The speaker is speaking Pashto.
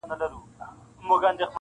نن دي سترګو کي تصویر را سره خاندي,